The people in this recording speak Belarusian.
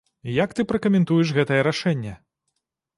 Як ты пракамэнтуеш гэтае рашэнне?